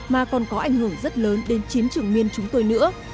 mà còn có ảnh hưởng rất lớn đến chiến trường miên chúng tôi nữa